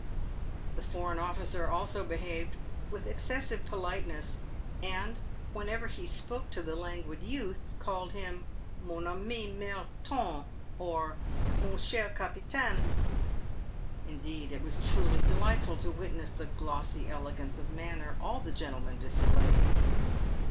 The foreign officer also behaved with excessive politeness, and whenever he spoke to the languid youth, called him " mon ami Mareton," or " mon cher capitaine." Indeed, it was truly delightful to witness the glossy elegance of manner all the gentlemen displayed.